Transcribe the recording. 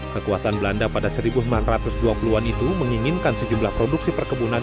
kekuasaan belanda pada seribu sembilan ratus dua puluh an itu menginginkan sejumlah produksi perkebunan